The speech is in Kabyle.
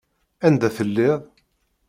Anda telliḍ?